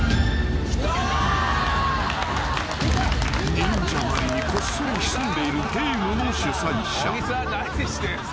［忍者ばりにこっそり潜んでいるゲームの主催者］